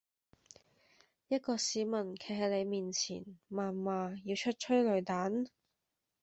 一個市民站在你跟前謾罵要出催淚彈？